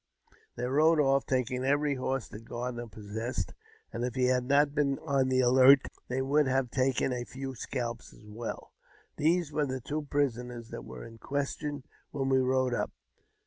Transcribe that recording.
They rode off, taking every horse that Gardner . possessed and if he had not been on the alert, they would have taken few scalps as well. These were the two prisoners that were in question whei we rode up.